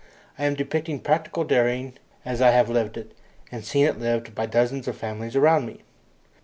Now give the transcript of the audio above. I am depicting practical dairying as I have lived it, and seen it lived, by dozens of families around me.